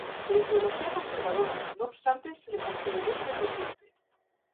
De ideología conservadora, no obstante, se le consideró independiente.